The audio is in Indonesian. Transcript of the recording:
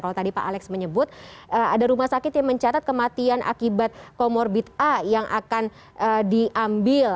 kalau tadi pak alex menyebut ada rumah sakit yang mencatat kematian akibat comorbid a yang akan diambil